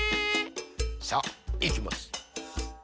さあいきます。